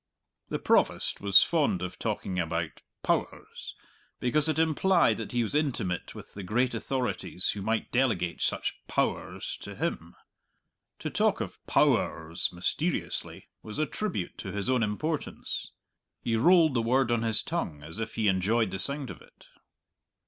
The Provost was fond of talking about "Pow ers," because it implied that he was intimate with the great authorities who might delegate such "Pow ers" to him. To talk of "Pow ers," mysteriously, was a tribute to his own importance. He rolled the word on his tongue as if he enjoyed the sound of it.